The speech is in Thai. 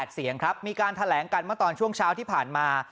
๒๓๘เสียงมีการแถลงกันมาตอนช่วงเช้าที่ผ่านมา